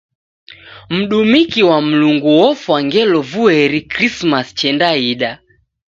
Mdumiki wa Mlungu ofwa ngelo vueri Krismasi chendaida.